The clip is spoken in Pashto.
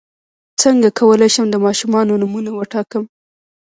څنګه کولی شم د ماشومانو نومونه وټاکم